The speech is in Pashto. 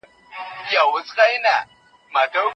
مذهب په ټولنه کي ژوري ريښې لري.